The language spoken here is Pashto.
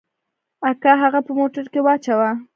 اکا هغه په موټر کښې واچاوه.